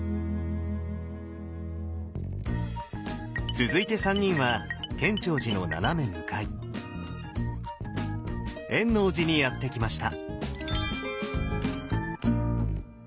続いて３人は建長寺の斜め向かい円応寺にやって来ました。